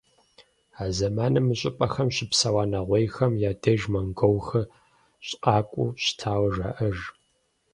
А зэманым мы щӀыпӀэхэм щыпсэуа нэгъуейхэм я деж монголхэр къакӀуэу щытауэ жаӀэж.